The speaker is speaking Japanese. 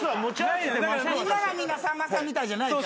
みんながみんなさんまさんみたいじゃないから。